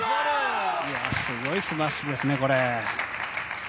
すごいスマッシュですね。